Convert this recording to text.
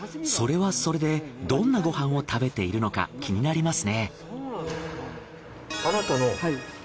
それはそれでどんなご飯を食べているのか気になりますね。